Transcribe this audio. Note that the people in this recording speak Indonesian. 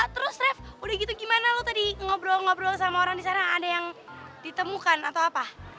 terus ref udah gitu gimana lo tadi ngobrol ngobrol sama orang di sana ada yang ditemukan atau apa